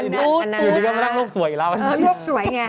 อยู่นี่ก็๑๒๐๐รูปสวยอีกแล้ว